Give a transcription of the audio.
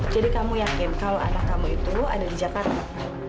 jadi kamu yakin kalau anak kamu itu ada di jakarta